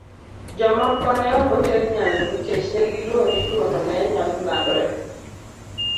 Jomoko ne ok oter nyangu nikech ne giluor ni tuwono ne nyalo landore.